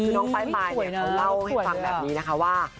น้องไฟมายเล่าให้ฟังแบบนี้ว่า